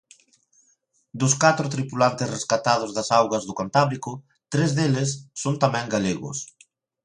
Dos catro tripulantes rescatados das augas do Cantábrico tres deles son tamén galegos.